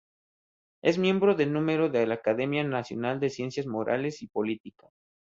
Es miembro de número de la Academia Nacional de Ciencias Morales y Políticas.